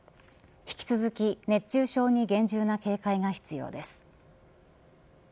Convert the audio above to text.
引き続き、熱中症に厳重な警戒が必要です。